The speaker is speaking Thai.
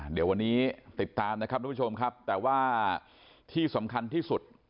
เดี๋ยววันนี้ติดตามนะครับทุกผู้ชมครับแต่ว่าที่สำคัญที่สุด